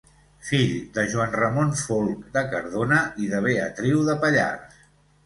Fill de Joan Ramon Folc de Cardona i de Beatriu de Pallars.